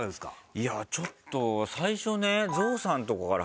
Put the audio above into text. いやちょっと最初ね。